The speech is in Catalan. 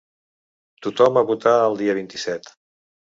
Tothom a votar el dia vint-i-set.